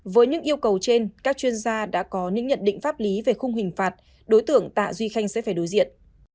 với những yêu cầu trên các chuyên gia đã có những nhận định pháp lý về khung hình phạt đối tượng tạ duy khanh sẽ phải đối diện